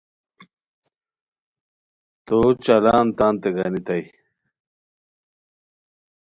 تو چالان تانتے گانیتائے